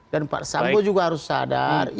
dan pak sampo juga harus sadar